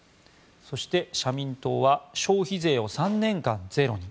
そして、社民党は消費税を３年間ゼロに。